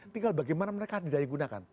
tinggal bagaimana mereka didayangunakan